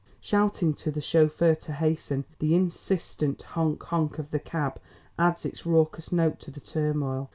Shouting to the chauffeur to hasten, the insistent honk! honk! of the cab adds its raucous note to the turmoil.